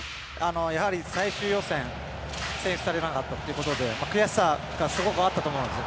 やはり、最終予選選出されなかったということで悔しさがすごくあったと思うんです。